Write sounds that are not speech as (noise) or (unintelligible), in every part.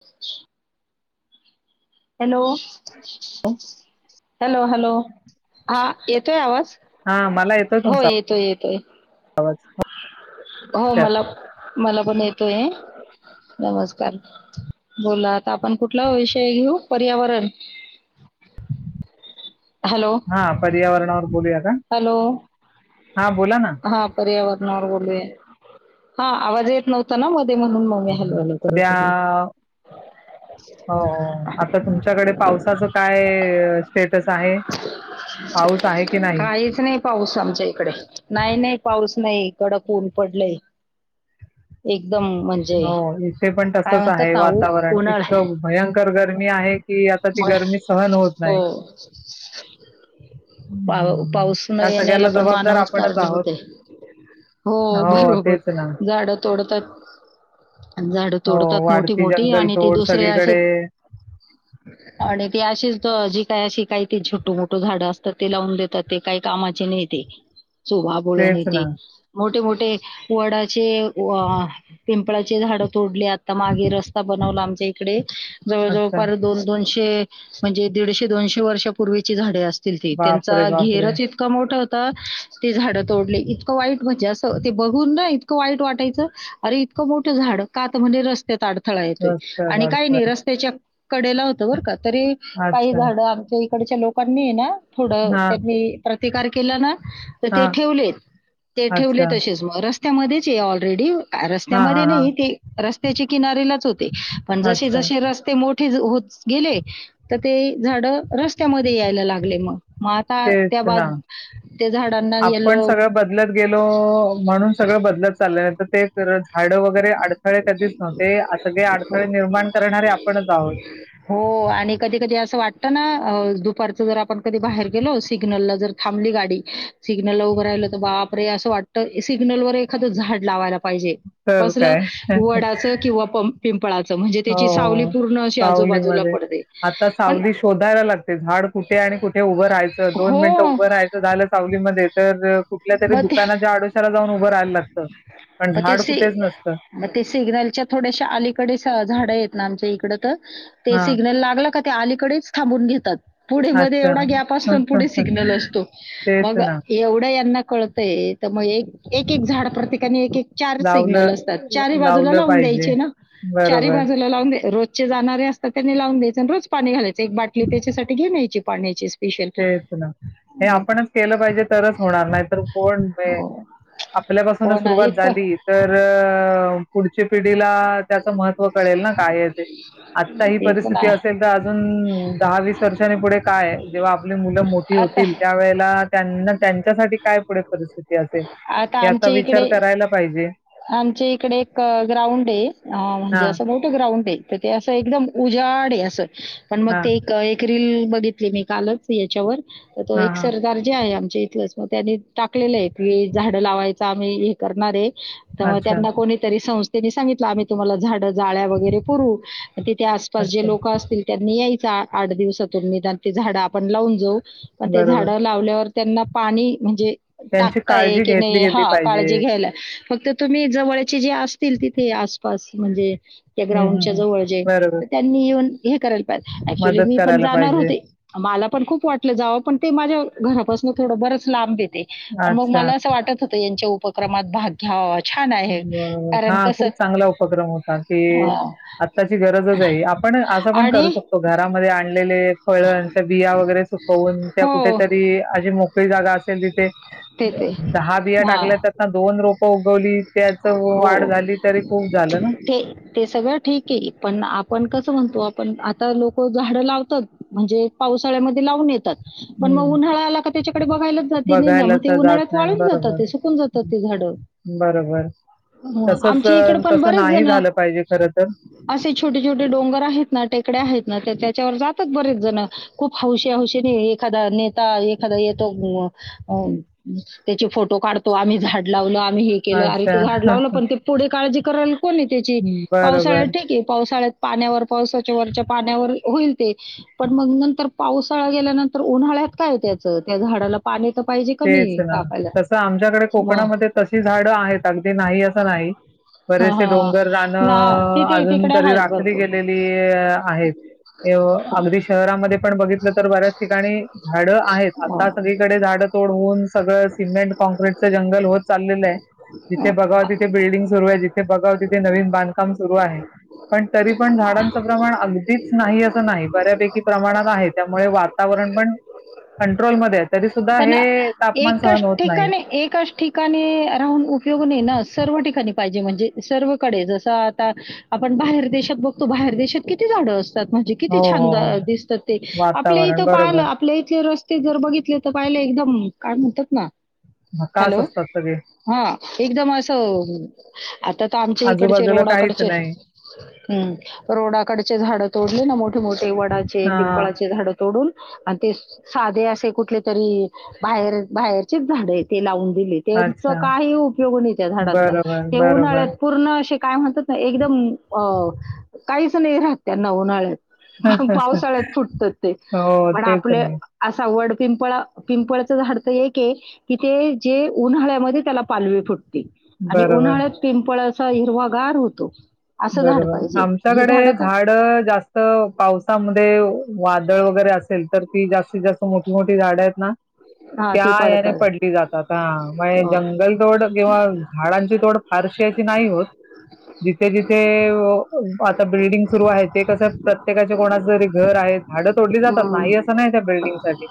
काही. Hello hello hello. हा येतोय आवाज. हा मला येतोय हो तुमचा. येतोय येतोय आवाज. हो मला मला पण येतोय नमस्कार बोलात आपण कुठला विषय घेऊ? पर्यावरण हॅलो हा पर्यावरणावर बोलूया का? हॅलो. हा बोला ना हा पर्यावरन बोल हा आवाज येत नव्हता ना म सध्या हो आता तुमच्याकडे पावसाचं काय स्टेटस आहे पाऊस आहे की नाही काहीच नाही पाऊस आमच्या इकडे नाही नाही पाऊस नाही कडक ऊन पडलंय एक हो इथे पण तसच म्हणतात आहे ना उ वातावरण उन्हाळ इतकं भयंकर गरमी आहे कि आता ती मग गरमी सहन होत नाही हो पाव हम्म. पाऊस न त्या येण्याला सगळ्याला पण जबाबदार मानवच आपणच कारणीभूत आहोत होते हो तेच ना बरोबर झाडं तोडतात झाड हो तोडतात मोठी वाढती मोठी जंगल आणि ते तोड दुसरे असे सगळीकडे आणि ते जी काय अशी काही छोट मोठ झाड अस ते लावून देतात ते काही कामाचे नाही ते सोभ बोळण तेच ना येते मोठे मोठे वडाचे पिंपळाचे झाड तोडले आता मागे रस्ता बनवला आमच्या इकडे जवळ अच्छा जवळपार दोन दोनशे म्हणजे दीडशे दोनशे वर्षापूर्वीची झाडे असतील बापरे त्यांचा बापरे घेरच इतकां मोठा होता ते झाडं तोडली इतकं वाईट म्हणजे असं ते बघून ना इतक वाईट वाटायचं अर इतकं मोठं झाड काात म्हणजे रस्त अडथळा येतोय रस्त्यात आणि काही नाही अडथळे रस्त्याच्या कडेला होत बरं का तरी काही अच्छा झाडं आमच्या थोड्या लोकांनी आहे ना थोड हां, त्यांनी प्रतिकार केला ना तर ते हां. ठेवलेत ते अच्छा. ठेवलेत असच मग रते त्यामध्ये ऑलरेडी हां, रस्त्यामध्ये हां, हां. नाही ते रस्त्याचे किनारेलाच होते पण जसे अच्छा. जसे रस्ते मोठ े होत गेले तर ते झाड रस्त्यामध्ये यायला लागले मग मग आता त्या तेच ना बाद त्या झाडांना आपण येलो सगळं बदलत गेलो म्हणून सगळं बदलत चाललं तर ते झाड वगैरे अडथळे कधीच नव्हते सगळे अडथळे निर्माण करणारे आपणच आहोत दुपारच जर आपण कधी बाहेर गेलो सिग्नल ला जर थांबली गाडी सिग्नल ला उभं राहिलं तर बापरे असं वाटतं सिग्ल वर एखादं झाड लावाय लाग पाहिजे तर कसलं काय. वडाच किंवा पं पिंपळाचं म्हणजे त्याची सावली हो पूर्ण अशी आजूबाजूला सावलीमध्ये पडते. आता पण सावली शोधायला लागते झाड कुठे आणि कुठे उभं राहायचं दोन हो. मिनिटं उभं राहायचं झालं सावलीमध्ये तर कुठल्या तरी मग ते दुकानाच्या आडोशाला जाऊन उभं राहायला लागत पण मग ते झाड सि कुठेच नसत मग ते सिग्नलच्या थोड्याशा अलीकडे स- झाडं आहेतेत ना आम इकड ला त्या अलीकडेच थांबून घेतात पुढे मध्ये एवढा गॅप असतो पुढे सिग्नल अच्छा. असतो तेच मग ना एवढ्या ड प्र चार लावलं सग्नल असतात चजूला लावलं लावून द्याय पाहिजे चजू. बरोबर रोजचे जाणारे असात त्यांनी लावून द्याय रोज पाणी घालायच. एक बाटली त्याच्यासाठी घेन यायची. पडणेचीज. तेच ना हे आपणच केलं पाहिजे तरच होणार नाही. कोण हो हो आपल्यापासूनच ना सुरुवात झाली इतकं तर पुढच्या पिढीला त्याच महत्त्व कळेल ना काय ते आत्ता ही तेच परिस्थिती ना असेल तर अजून दहा वीस वर्षांनी पुढे काय? आपली मुलं मोठी आता होतील त्यावेळेला त्यांना त्यांच्यासाठी काय पुढे परिस्थिती असेल आता याचा आमच्या विचार इकडे करायला पाहिजे आमच्या इकडे एक ग्राउंड आहे हा म्हणजे असं ग्राउंड आहे. तर ते असं एकदम उजाड आहे असं पण मग हा ते एक. डील बघितली मी कालच याच्यावर तर तो हा एक हा सरकार जे आहे आम त्यांनी टाकलेलं आहे. झाडं लावायच. आम्ही हे करणार आहे. तर मग अच्छा त्यांना कोणीतरी संस्था त्यांनी सांगलं आम्ही तुम्हाला झाडं जाळ्या वगैरे पुरवू तिथे आसपास जे अच्छा लोक असतील त्यांनी याय. आठ दिवसातून निदान ते झाडं आपण लावून जाऊ. मग ते बरोबर झाड लावल्यावर त्यांना पाणी म्हणजे त्यांचे काय आहे की नाही हा काळजी घ्यायला फक्त तुम्ही जवळ जवळचे जे असतील तिथे आसपास म्हणजे त्या हम्म ग्राउंड हम्म च्या हम्म. जवळ जे बरोबर तर त्यांनी येऊन हे करायला पाहिजे ऍक्च्युली मदत मी पण करायला जाणार पाहिजे. होते मला पण पण खूप वाटलं जावं पण ते माझ्या घरापासन थोडं बरच लांब आहे ते पण मग अच्छा. मला असं वाटत होतं यांच्या उपक्रमात भाग घ्यावा हो. हा खूप चांगला उपक्रम होता कि अ आताची गरजच आहे. आपण असं पण आणि करू शकतो. घरामध्ये आणलेले फळच्या बिया वगैरे सुकवून त्या हो कुठेतरी अशी मोकळी जागा असेल तिथे ते ते दहा बिया हा टाकल्यात आता दोन रोपं उगवली. त्याचं हो वाढ झाली तरी खूप झालं ना. ते ते सगळं ठीक आहे पण आपण कसं म्हणतो पण आता लोक झाडं लावतात म्हणजे पावसाळ्यामध्ये लावून येतात. पण मग हं. उन्हाळा आला का त्याच्याकडे बघायलाच जाती नाही ना बघायला ते तर जात उन्हाळ्यात नाही. वाळून जातात बरोबर. ते सुकून जातात हं. ते झाड बरोबर. तसंच आमची अ, इकडे पण तसं बरेच नाही जण झालं पाहिजे खरं तर. असे छोटे छोटे डोंगर आहेत. ना टेकड्या आहेत ना त्याच्यावर जातात बरेच जण खूप हौशी हौशीने एखादा नेता एखादा येतो अ त्याचे फोटो काढतो आम्ही झाड लावलो आणि हे केलं अरे ते अच्छा. झाड लावण पण ते पुढे काळजी कराल. कोणी त्याची पावसाळ्यात बरोबर. ठीक आहे पावसाळ्यात पाण्यावर पावसाच्या वरच्या पाण्यावर होईल ते पण मग नंतर पावसाळा गेल्यानंतर उन्हाळ्यात काय त्याचं त्या झाडाला पाणी तर पाहिजे तेच कमी ना टाकायला. तसं आमच्याकडे मग कोकणामध्ये तशी झाडं आहेत. अगदी नाही अस ला आहे हां, बरेचसे हां. डोंगर ना रानं तिथे अजून तिकडे तरी आहेत राखली भरपूर. गेलेली आहेत. हां, अगदी शहरामध्ये पण बघितलं तर बऱ्याच ठिकाणी झाडं आहेत. हां. आता सगळीकडे झाड सगळं सिमेंट कॉन्क्रीटचं जंगल होत चाललेलं आहे. जिथे बघावा तिथे बिल्डिंग सुरू बा तिथे नवीन बांधकाम सुरू आहे. पण तरी पण झाडांच प्रमाण अगदीच नाही. अस नाही बऱ्यापैकी प्रमाणात आहे. त्यामुळे वातावरण पण कंट्रोलमध्ये तरी सुद्धा हे तापमान एकाच सहन होत नाही. ठिकाणी एकाच ठिकाणी राहून उपयोग नाही ना सर्व ठिकाणी पाहिजे म्हणजे सर्वकडे जस आता आपण बाहेर देशात बघतो बाहेर देशात किती झाड असत. म्हणजे हो, किती छान हो, हो. दिसतात. ते आपल्या वातावरण इथं पालं बरोबर. आपल्या इथे रस्त ते जर बघितले तर पहिले एकदम काय म्हणतात ना ह काच हॅलो? असतात सगळे हां, एकदम असं आता तर आमच्या इकडचे आजूबाजूला काहीच रोडाकडचे नाही. हम् रोडाकडचे झाड तोडले. ना मोठे मोठे वडाचे हां, पिंपळाचे झाड तोडून आणि ते साधे असे कुठले तरी बाहेर बाहेरचेच झाडे आहे. ते लावून दिली त्याचा अच्छा. काही उपयोग नाही. त्या झाडांचा बरोबर, ते बरोबर. उन्हाळ्यात पूर्ण काय एकदम काही इथं नाही राहत त्यांना उन्हाळ्यात. पावसाळ्यात फुटत ते हो, पण तेच आपले ना. असा वड पिंपळा पिंपळचं झाड तर एक हे की ते जे उन्हाळ्यामध्ये त्याला पालवी फुटते. आणि बरोबर, उन्हाळ्यात पिंपळ हिरवा गार होतो. असं झाड बरोबर. पाहिजे हे आमच्याकडे का झाड जास्त पावसामध्ये वादळ वगैरे असेल तर की जास्तीत जास्त. मोठी मोठी झाड आहेत ना हा त्या ते याने पडतात पडली जातात हा. हो. जंगल तोड किंवा झाडांची तोड फारशी अशी नाही होत. जि ते जिथे ओ आता बिल्डिंग सुरू आहेत. ते कसं प्रत्येकाचे कोणाचं तरी घर आहे, झाडं तोडली जातात नाही हम्म. असं नाही त्या बिल्डिंग साठी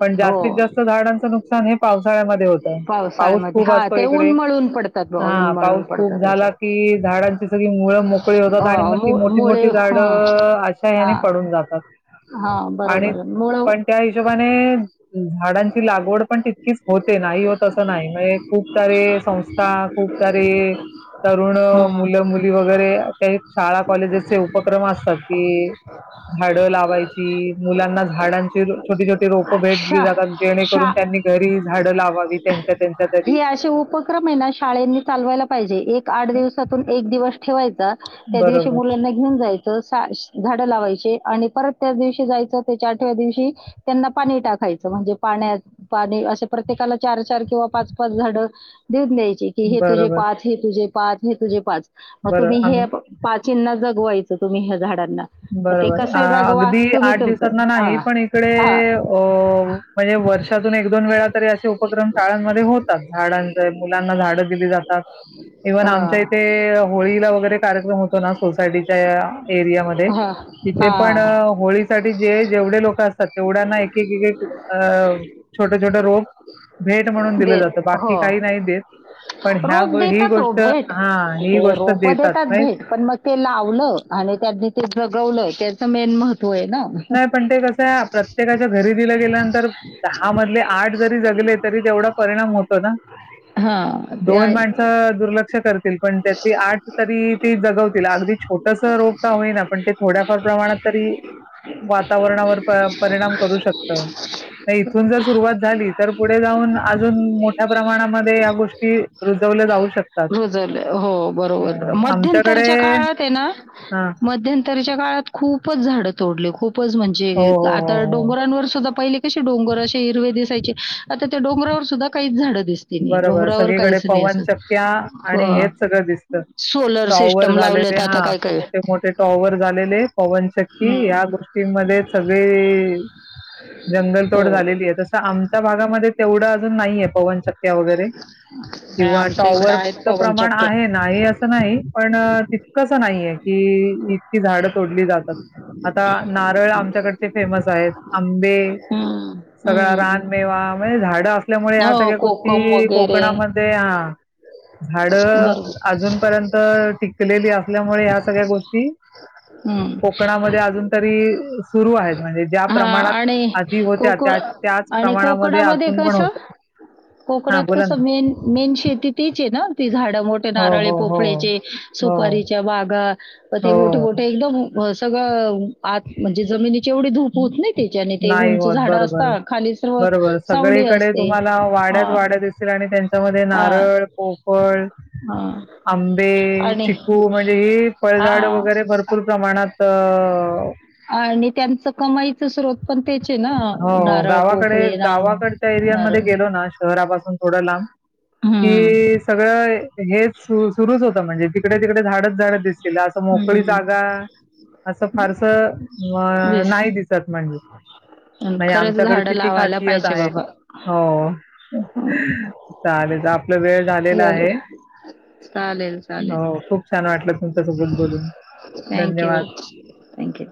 पण हो जास्तीत जास्त झाडांचं नुकसान हे पावसा (unintelligible) हे होतं पाऊस पावसाळ्यामध्ये खूप हा असतो ते इकडे. उन्मळून पडतात बाबा हा. उन्मळून पाऊस खूप पडतात असे झाला की झाडा सगळी मुळ मोकळी होतात आणि हो मग ती मु- मोठी मुळे मोठी झाडं हं. अ अशा हा याने पडून जातात हा आणि बरोबर मुळ पण त्या हिशोबाने झाडांची लागवड पण तितकीच होते नाही होत असं नाही, म्हणजे खूप सारे संस्था खूप सारे तरुण हं. मुल मुली वगैरे काही शाळा कॉलेजेसचे उपक्रम असतात की, झाड लावायची मुलांना झाडांची छोटी छोटी रोप भेट दिली शा जातात जेणेकरून शा त्यांनी घरी झाडं लावावी त्यांच त्यांच तरी. हे असे उपक्रम आहे ना शाळेंनी चालवायला पाहिजे एक. आठ दिवसातून एक दिवस. ठेवाईल. त्या दिवशी बरोबर, मुलांना घेऊन जायच अस काश झाड लावायची आणि परत त्या दिवशी जायचं त्याच्या आठव्या दिवशी त्यांना पाणी टाक. द्यायचं म्हणजे पाण्यात पाणी असे प्रत्येकाला चार, चार किंवा पाच, पाच झाड देऊन द्याय जे की हे तुझे बरोबर, पाच, हे तुझे पाच हे तुझे पाच. मग बरं तुम्ही आम हे प पाचीना जग बुवायचं तुम्ही ह्या झाडात. बरोबर. अ अगदी आठ तुमचं. दिवसातना नाही हां. पण इकडे हां. अ हो म्हणजे वर्षातून एक, दोन वेळा तरी असे उपक्रम शाळांमध्ये होतात. झाडांचे मुलांना झाडं दिली जातात. इव्हन हां. आमच्या इथे होळीला वगैरे कार्यक्रम होतो ना सोसायटीच्या एरियामध्ये हां. तिथे हां. पण हां. होळीसाठी जे जेवढे लोक असतात. तेवढ्यांना एक एक अ छोट छोट रोप भेट म्हणून दिलं दे जातं बाकी हो. काही नाही देत. पण ह्या रोप ही देतात हो गोष्ट भेट हा ही ते गोष्ट रोप देतात नाही. भेट पण मग ते लावलं आणि त्यांनी ते जगवलं त्याचं मेन महत् नाही. पण ते कसं आहे प्रत्येकाच्या घरी दिल गेल्यानंतर दहा मधले आठ जरी जगले तरी तेवढा परिणाम होतो ना. हा ते दोन आहे माणसं दुर्लक्ष करतील पण त्यातली आठ तरी ते जगवतील अगदी छोटस रोप का होईना पण ते थोड्याफार प्रमाणात तरी वातावरणावर प परिणाम करू शक इथून जर सुरुवात झाली तर पुढे जाऊन अजून मोठ्या प्रमाणामध्ये या गोष्टी रुजवल्या जाऊ शकतात. रुजवलं हो बरोबर मध्यंतरच्या आमच्याकडे काळात आहे ना ह झाड तोडले खूप पच म्हणजे आता हो, हो. डोंगर पहिले क डोंगर असे हिरवे दिसायचे. आता त्या डोंगरावर सुद्धा काही झाड. बरोबर सगळीकडे पवनचक्क्या आणि हेच सगळं दिसत सोलर टॉवर सिस्टम झालेले. लावलेत हा आता काय काय मोठे मोठे टॉवर झालेले. पवनचक्की हम्म. ह्या गोष्टींमध्ये सगळी जंगलतोड हो झालेली आहे, तसं आमच्या भागामध्ये तेवढं अजून नाहीय. पवनच चक्क्या वगैरे काय किंवा आमच्या इकडं आहेत टॉवरच प्रमाण पवनचक्क्या. आहे नाही असं नाही पण तितकंस नाही आहे कि इतकी झाडं तोडली जातात आता नारळ आमच्याकडचे फेमस आहेत. आंबे हम्म सगळा हम्म रानमेवा म्हणजे झाडं असल्यामुळे ह्या हो सगळ्या गोष् कोकम ती वगैरे कोकणामध्ये हा झाड बरोबर अजून पर्यंत टिकलेली, असल्यामुळे ह्या सगळ्या गोष्टी हम्म कोकणामध्ये अजून तरी सुरू आहेत. म्हणजे ज्या हा प्रमाणात आणि आधी होत्या कोकण त्या त्याच आणि प्रमाणामध्ये कोकणामध्ये अजून पण कसं होत. कोकणात तर सगळ्यांची में शेती तीच आहे ना. त झा मोठे हो, नारळे, हो, हो. पोपळेचे, हो, सुपारीच्या बागा, ते मोठे हो. मोठे एकदम सगळं आत म्हणजे जमिनी जेवढी धूप होत नाही त्याच्याने ते नाही उंच होत. झाड बरोबर, असता खाली सर्व सावली असते. वाढत दितील आणि त्यांच्यामध्ये हा नारळ पोपळ हा आंबे आणि चिकू म्हणजे ही फळझाड हा वगैरे भरपूर प्रमाणात अ... कमाईच स्रोत पण तेच हाय ना हो, हो. नारळ कोकळे गावाकडे नाम गावाकडच्या एरियांमध्ये नारळ गेलो ना, शहरापासून थोडं लांब हम्म कि सगळं हे सु सुरुच होतं म्हणजे, तिकडे तिकडे झाडच झाडत दिस मोकळी हम्म जागा अस फारस अ दिस नाही पण (unintelligible) खरंच झाडं आमच्याकडची ती लावायला खासियत पाहिजे आहे. बाबा. हो चालेल. आप वेळ झालेला बर. आहे. चालेल चालेल खूप छान वाटलं तुमच्या सोबत बोलून थँक्यू धन्यवाद. थँक्यू.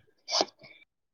(inaudible)